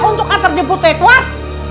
untuk antar jemput edward